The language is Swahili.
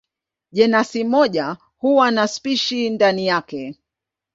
Jenasi moja huwa na spishi ndani yake.